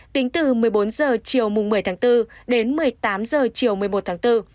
tính từ một mươi bốn h chiều một mươi tháng bốn đến một mươi tám h chiều một mươi một tháng bốn